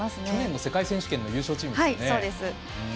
去年の世界選手権の優勝チームですね。